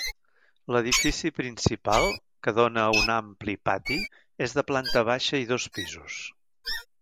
L'edifici principal, que dóna a un ampli pati, és de planta baixa i dos pisos.